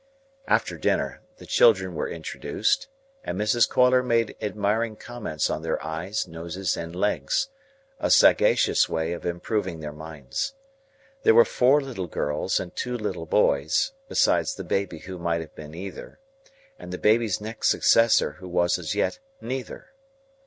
After dinner the children were introduced, and Mrs. Coiler made admiring comments on their eyes, noses, and legs,—a sagacious way of improving their minds. There were four little girls, and two little boys, besides the baby who might have been either, and the baby's next successor who was as yet neither.